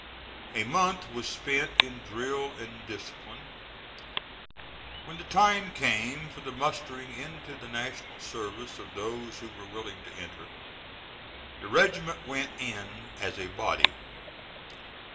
A month was spent in drill and discipline; when the time came for the mustering into the national service of those who were willing to enter, the regiment went in as a body.